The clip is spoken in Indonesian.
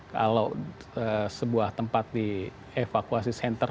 kalau sebuah tempat di evakuasi center